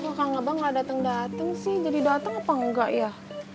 kok kang abang gak dateng dateng sih jadi dateng apa enggak ya